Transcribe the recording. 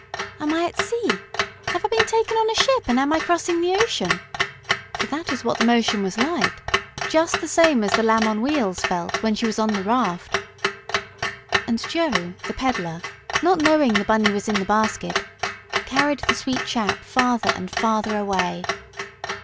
"Am I at sea? Have I been taken on a ship, and am I crossing the ocean?" For that is what the motion was like just the same as the Lamb of Wheels felt when she was on the raft. And Joe, the peddler, not knowing the Bunny was in the basket, carried the sweet chap farther and farther away.